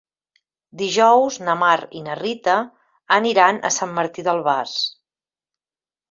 Dilluns na Mar i na Rita aniran a Sant Martí d'Albars.